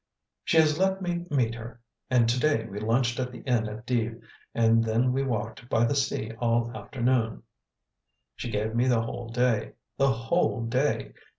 "She has let me meet her. And to day we lunched at the inn at Dives and then walked by the sea all afternoon. She gave me the whole day the whole day!